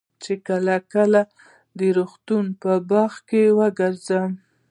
چې کله کله د روغتون په باغ کښې وګرځم.